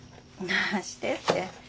なしてって。